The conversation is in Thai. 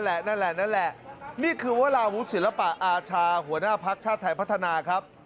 เออนั่นแหละนี่คือวัลาวุศิลปะอาชาหัวหน้าพักชาติไทยพัฒนาครับ